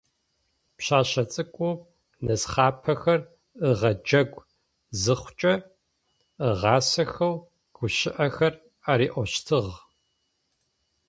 Пшъэшъэ цӏыкӏум нысхъапэхэр ыгъэджэгу зыхъукӏэ, ыгъасэхэу гущыӏэхэр ариӏощтыгъ.